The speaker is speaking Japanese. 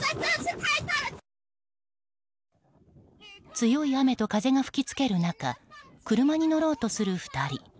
強い雨と風が吹き付ける中車に乗ろうとする２人。